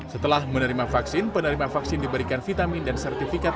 setelah menerima vaksin penerima vaksin diberikan vitamin dan sertifikat